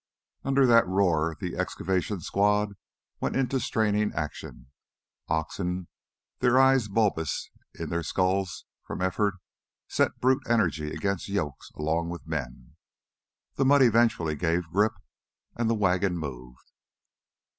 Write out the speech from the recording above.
Under that roar the excavation squad went into straining action. Oxen, their eyes bulbous in their skulls from effort, set brute energy against yokes along with the men. The mud eventually gave grip, and the wagon moved.